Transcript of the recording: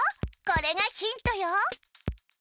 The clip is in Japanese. これがヒントよ。